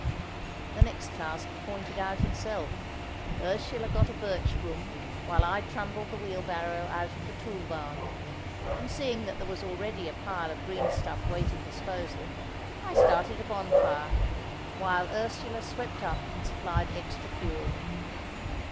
The next task pointed out itself. Ursula got a birch broom, while I trundled the wheelbarrow out of the tool barn; and seeing that there was already a pile of greenstuff waiting disposal, I started a bonfire, while Ursula swept up and supplied extra fuel.